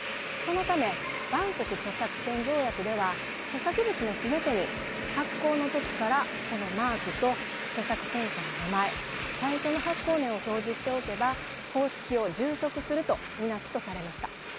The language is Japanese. そのため万国著作権条約では著作物の全てに発行の時からこのマークと著作権者の名前最初の発行年を表示しておけば方式を充足するとみなすとされました。